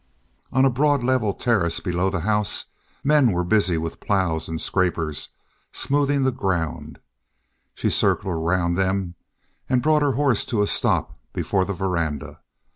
On a broad, level terrace below the house men were busy with plows and scrapers smoothing the ground; she circled around them, and brought her horse to a stop before the veranda.